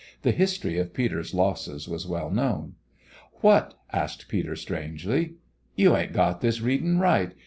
The history of Peter's losses was well known. "What?" asked Peter, strangely. "You ain't got this readin' right.